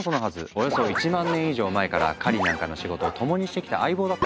およそ１万年以上前から狩りなんかの仕事を共にしてきた相棒だったからね。